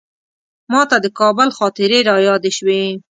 ماته د کابل خاطرې رایادې شوې.